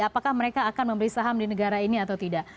apakah mereka akan membeli saham di negara ini atau tidak